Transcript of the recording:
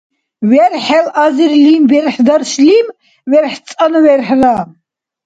верхӀел азирлим верхӀдаршлим верхӀцӀанну верхӀра